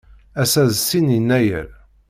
Ass-a d sin Yennayer.